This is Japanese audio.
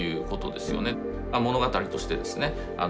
物語としてですね